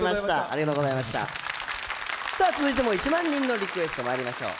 続いても１万人のリクエストまいりましょう。